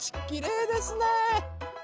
きれいですね。